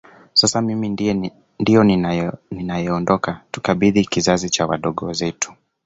Sasa mimi ndio ninayeondoka tukabidhi kizazi kwa wadogo zetu